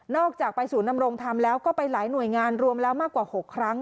อกจากไปศูนย์นำรงธรรมแล้วก็ไปหลายหน่วยงานรวมแล้วมากกว่า๖ครั้ง